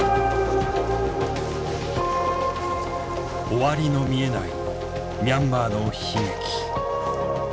終わりの見えないミャンマーの悲劇。